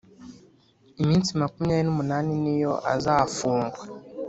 iminsi makumyabiri n umunani niyo azafungwa